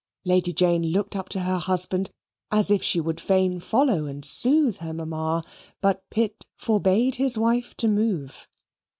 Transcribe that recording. Lady Jane looked up to her husband as if she would fain follow and soothe her mamma, but Pitt forbade his wife to move.